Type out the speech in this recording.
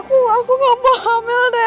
masa kita harus ramah padanya